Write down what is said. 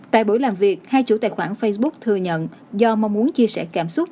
tại buổi làm việc hai chủ tài khoản facebook thừa nhận do mong muốn chia sẻ cảm xúc